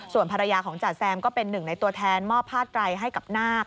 ส่วนภรรยาของจ๋าแซมก็เป็นหนึ่งในตัวแทนมอบผ้าไตรให้กับนาค